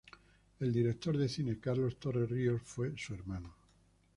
El director de cine Carlos Torres Ríos fue su hermano.